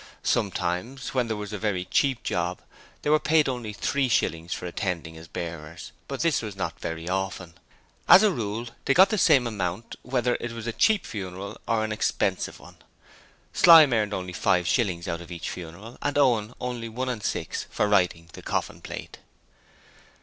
Sometimes, when there was a very cheap job, they were paid only three shillings for attending as bearers, but this was not often: as a rule they got the same amount whether it was a cheap funeral or an expensive one. Slyme earned only five shillings out of each funeral, and Owen only one and six for writing the coffin plate.